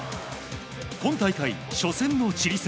今大会、初戦のチリ戦。